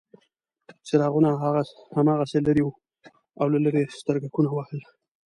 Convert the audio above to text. څراغونه هماغسې لرې وو او له لرې یې سترګکونه وهل.